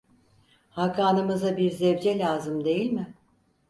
Hakanımıza bir zevce lazım değil mi?